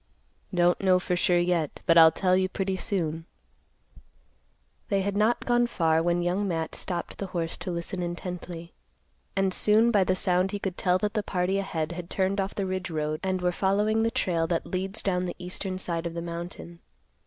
"Don't know for sure yet, but I'll tell you pretty soon." They had not gone far when Young Matt stopped the horse to listen intently; and soon by the sound he could tell that the party ahead had turned off the ridge road and were following the trail that leads down the eastern side of the mountain.